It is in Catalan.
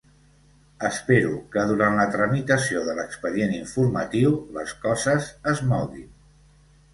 Espero que durant la tramitació de l’expedient informatiu les coses es moguin.